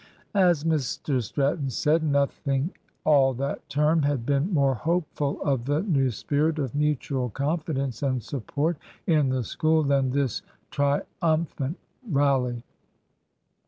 As Mr Stratton said, nothing all that term had been more hopeful of the new spirit of mutual confidence and support in the School than this triumphant rally.